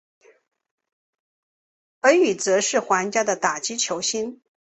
而与则是皇家的打击球星。